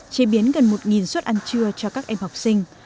chế biến gần một suất ăn trưa cho các em học sinh